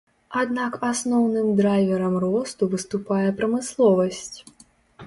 Аднак асноўным драйверам росту выступае прамысловасць.